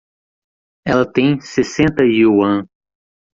Ela tem sessenta yuan